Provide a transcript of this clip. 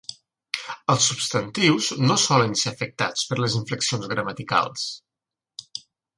Els substantius no solen ser afectats per les inflexions gramaticals.